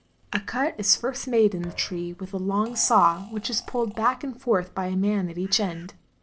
A cut is first made in the tree with a long saw, which is pulled back and forth by a man at each end.